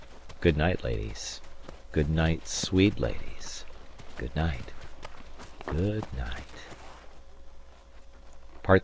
Good night, ladies, good night, sweet ladies, good night, good night.